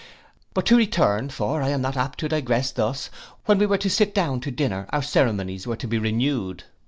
But to return, for I am not apt to digress thus, when we were to sit down to dinner our ceremonies were going to be renewed.